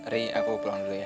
ri aku pulang dulu ya